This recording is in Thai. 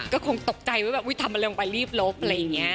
ก็คงตกใจว่าแบบอุ๊ยทำอะไรลงไปรีบลบอะไรอย่างนี้